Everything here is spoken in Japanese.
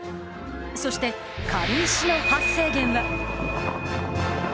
そして軽石の発生源は？